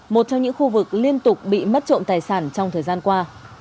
một trong những khu vực liên tục bị mất trộm tài sản trong thời gian qua